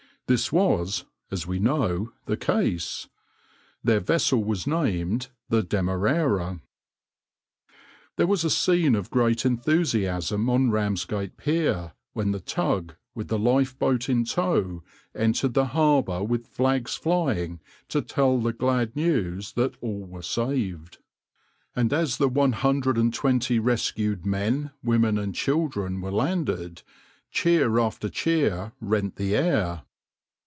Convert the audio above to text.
This was, as we know, the case. Their vessel was named the {\itshape{Demerara}}.\par There was a scene of great enthusiasm on Ramsgate pier, when the tug, with the lifeboat in tow, entered the harbour with flags flying to tell the glad news that all were saved; and as the one hundred and twenty rescued men, women, and children were landed, cheer after cheer rent the air.